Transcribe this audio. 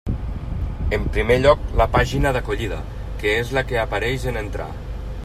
En primer lloc, la pàgina d'acollida, que és la que apareix en entrar.